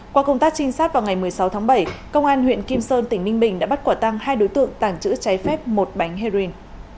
qua công tác trinh sát vào ngày một mươi sáu tháng bảy công an huyện kim sơn tỉnh ninh bình đã bắt quả tăng hai đối tượng tàng trữ trái phép một bánh heroin